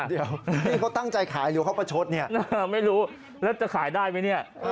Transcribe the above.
เดี๋ยวนี่เขาตั้งใจขายหรือเขาประชดเนี่ยไม่รู้แล้วจะขายได้ไหมเนี่ย